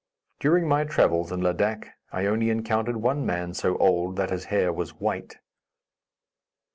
During my travels in Ladak, I only encountered one man so old that his hair was white.